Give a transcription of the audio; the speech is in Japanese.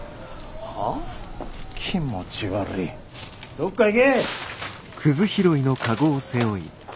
どっか行け！